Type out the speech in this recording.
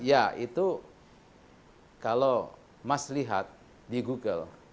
ya itu kalau mas lihat di google